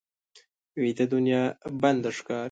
ویده دنیا بنده ښکاري